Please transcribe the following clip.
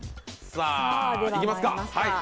さあ、いきますか。